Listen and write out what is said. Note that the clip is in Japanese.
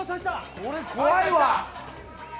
これ怖いわ。